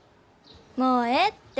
もうええって。